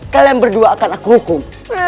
kalian berdua akan aku hukum